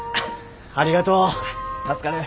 ありがとう助かる。